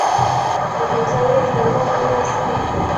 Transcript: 隐头三叶虫亚目类似。